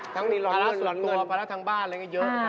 ทั้งนี้ร้อนเงินร้อนเงินภาระส่วนตัวภาระทางบ้านอะไรอย่างเยอะ